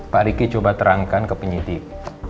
pak riki coba terangkan ke penyidik